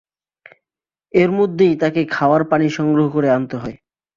এর মধ্যেই তাঁকে খাওয়ার পানি সংগ্রহ করে আনতে হয়।